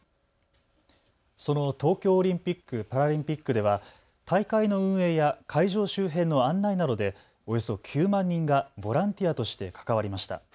その東京オリンピック・パラリンピックでは大会の運営や会場周辺の案内などでおよそ９万人がボランティアとして関わりました。